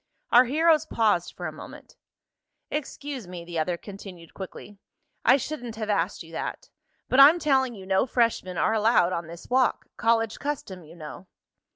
Our heroes paused for a moment. "Excuse me," the other continued quickly. "I shouldn't have asked you that. But I'm telling you no freshmen are allowed on this walk. College custom, you know."